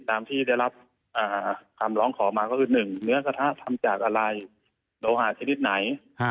ตามที่ได้รับคำร้องขอมาก็คือ๑เนื้อกระทะทำจากอะไรโลหะชนิดไหน